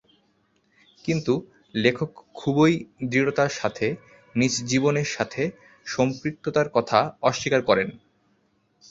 কিন্তু লেখক খুবই দৃঢ়তার সাথে নিজ জীবনের সাথে সম্পৃক্ততার কথা অস্বীকার করেন।